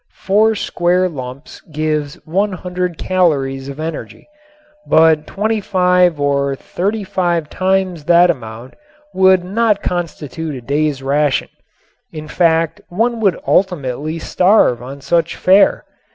Four square lumps give one hundred calories of energy. But twenty five or thirty five times that amount would not constitute a day's ration, in fact one would ultimately starve on such fare.